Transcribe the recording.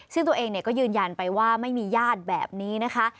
ซึ่งตัวเองก็ยืนยันไปว่าไม่มีญาติแบบนี้นะคะ